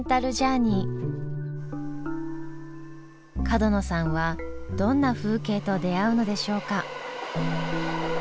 角野さんはどんな風景と出会うのでしょうか。